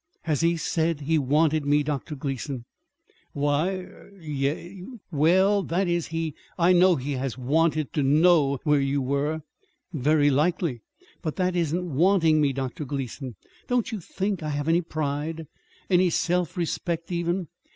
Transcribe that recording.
"Has he said he wanted me, Dr. Gleason?" "Why er y yes; well, that is, he I know he has wanted to know where you were." "Very likely; but that isn't wanting me. Dr. Gleason, don't you think I have any pride, any self respect, even?